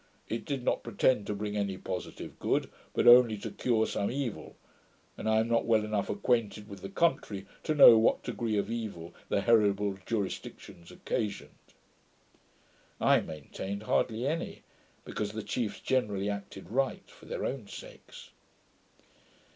It did not pretend to bring any positive good, but only to cure some evil; and I am not well enough acquainted with the country to know what degree of evil the heritable jurisdictions occasioned.' I maintained hardly any; because the chiefs generally acted right, for their own sakes.